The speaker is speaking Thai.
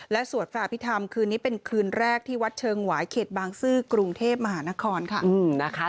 และสวดฝ่าพิธามคืนนี้เป็นคืนแรกที่วัดเชิงไหวเครียดบางศื่อกรุงเทพมหานครค่ะ